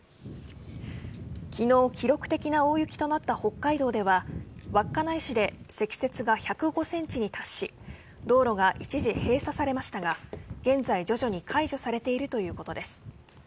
昨日、記録的な大雪となった北海道では稚内市で積雪が１０５ｃｍに達し道路が一時、閉鎖されましたが現在、徐々に解除されているということです。